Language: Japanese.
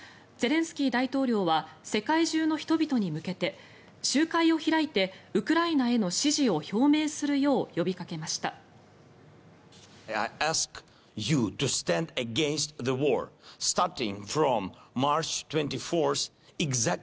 ゼレンスキー大統領は世界中の人々に向けて集会を開いてウクライナへの支持を表明するよう呼びかけました。